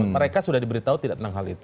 mereka sudah diberitahu tidak tentang hal itu